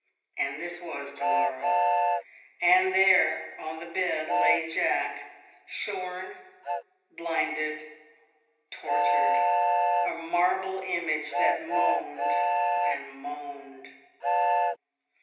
And this was to morrow; and there on the bed lay Jack, shorn, blinded, tortured a marble image that moaned, and moaned...